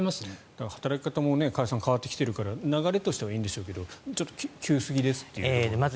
だから働き方も変わってきているから流れとしてはいいんでしょうがちょっと急すぎですっていうところですね。